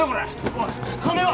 おい金は？